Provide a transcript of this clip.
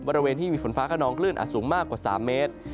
บริเวณที่มีฝนฟ้าขนองคลื่นอาจสูงมากกว่า๓เมตร